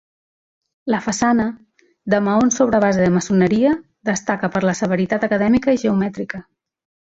La façana, de maons sobre base de maçoneria, destaca per la severitat acadèmica i geomètrica.